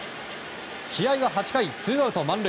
試合は８回、ツーアウト満塁。